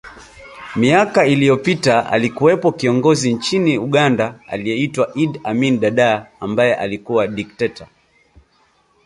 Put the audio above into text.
Miaka iliyopita alikuwepo kiongozi nchini Uganda aliyeitwa Idd Amin Dada ambaye alikuwa dikteta